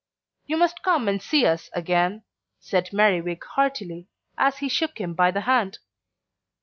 "You must come and see us again," said Merriwig heartily, as he shook him by the hand.